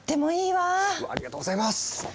わあありがとうございます！